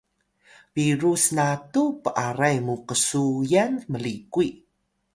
biru snatu p’aray mu qsuyan mlikuy